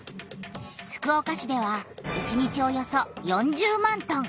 福岡市では１日およそ４０万トン！